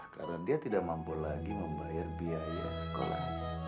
karena dia tidak mampu lagi membayar biaya sekolah